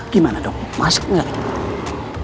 gimana dong masuk nggak ke sini